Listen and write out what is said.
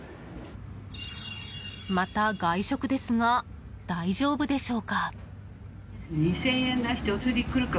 また外食ですが大丈夫でしょうか。